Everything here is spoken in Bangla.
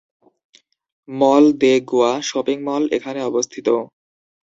মল দে গোয়া শপিং মল এখানে অবস্থিত।